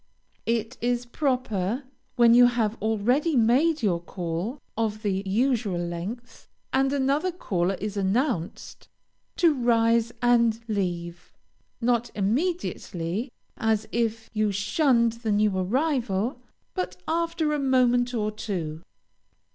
It is proper, when you have already made your call of the usual length, and another caller is announced, to rise and leave, not immediately, as if you shunned the new arrival, but after a moment or two.